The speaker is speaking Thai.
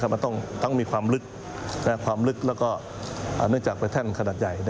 มันต้องมีความลึกและก็เนื่องจากเป็นแท่นขนาดใหญ่